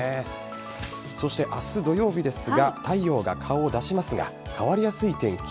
そして、明日土曜日ですが太陽が顔を出しますが変わりやすい天気。